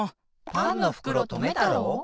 パンのふくろとめたろう？